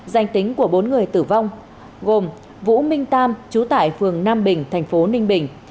danh tính của bốn người tử vong gồm vũ minh tam chú tại phường nam bình thành phố ninh bình